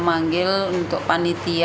memanggil untuk panitia